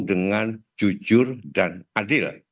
dengan jujur dan adil